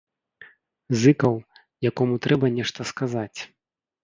Зыкаў, якому трэба нешта сказаць.